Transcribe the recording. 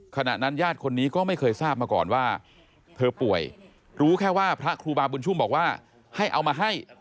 ขณะนั้นญาติคนนี้ก็ไม่เคยทราบมาก่อนว่าเธอป่วยรู้แค่ว่าพระครูบาบุญชุ่มบอกว่าให้เอามาให้